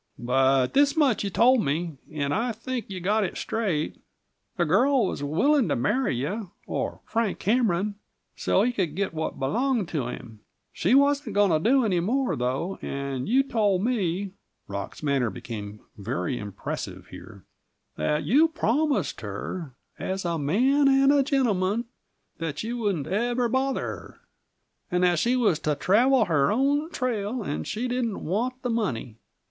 "But this much you told me and I think you got it straight. The girl was willing to marry you or Frank Cameron so he could get what belonged to him. She wasn't going to do any more, though, and you told me" Rock's manner became very impressive here "that you promised her, as a man and a gentleman, that you wouldn't ever bother her, and that she was to travel her own trail, and she didn't want the money.